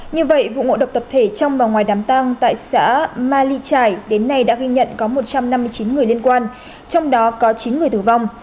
như vậy vụ ngộ độc tập thể trong và ngoài đám tăng tại xã mali trải đến nay đã ghi nhận có một trăm năm mươi chín người liên quan trong đó có chín người tử vong